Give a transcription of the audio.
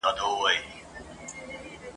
ورخبر یې کړزړګی په لړمانه کي !.